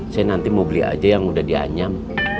saya nanti mau beli aja yang udah dianyam